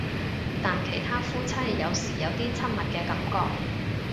但其他夫妻有時有啲親密嘅感覺